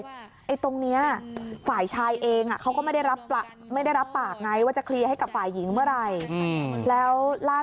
แล้วคุณคิดดูค่าเช่าห้องเช่านั้นยังค้างอยู่ทั้ง๒เดือนแล้วนะ